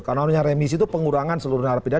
karena remisi itu pengurangan seluruh harapidat